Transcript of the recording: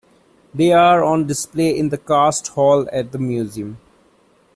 They are on display in the Cast Hall at the museum.